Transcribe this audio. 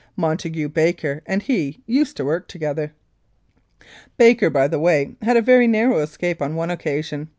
Montague Baker and he used to work together. Baker, by the way, had a very narrow escape on one occasion.